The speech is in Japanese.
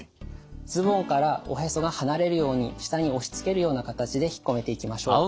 ズボンからおへそが離れるように下に押しつけるような形でひっこめていきましょう。